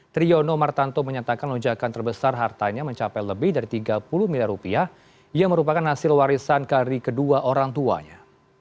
triyono martanto menyatakan lonjakan terbesar hartanya mencapai lebih dari tiga puluh miliar rupiah yang merupakan hasil warisan kari kedua orang tuanya